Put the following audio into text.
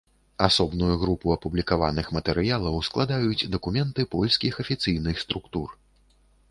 Асобную групу апублікаваных матэрыялаў складаюць дакументы польскіх афіцыйных структур.